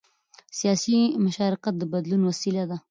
سیاسي مشارکت د بدلون وسیله ده